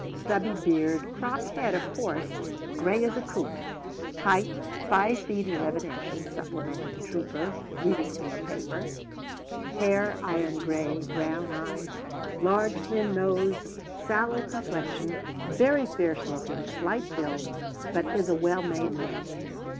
Stubby beard. Cropped head, of course. Grey as a coot." "Height 5 ft. 11 in.," supplemented the trooper, reading from a paper; "'hair iron grey, brown eyes, large thin nose, sallow complexion, very fierce looking, slight build, but is a well made man.'"